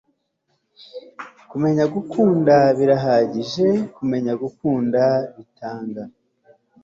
Kumenya gukunda birahagije kumenya gukunda bitanga